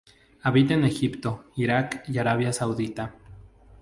Habita en Egipto, Iraq y Arabia Saudita.